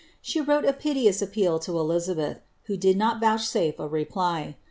She wrote a piteous appeal to Elizabeth, who did not vouch safe a reply.